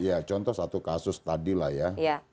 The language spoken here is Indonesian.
ya contoh satu kasus tadi lah ya